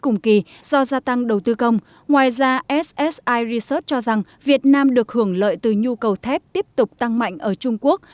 ngoài ra ssi research cho rằng việt nam được hưởng lợi từ nhu cầu thép tiếp tục tăng mạnh ở trung quốc